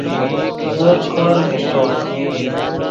زو چے خوریم اݰٹو